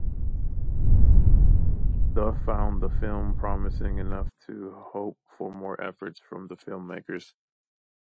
The found the film promising enough to hope for more efforts from the filmmakers.